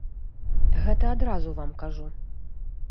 Гэта адразу вам кажу.